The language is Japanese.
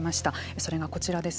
それがこちらです。